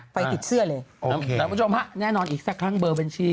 ไฟติดเสื้อเลยโอเคนะครับผู้ชมครับแน่นอนอีกแสกครั้งเบอร์บัญชี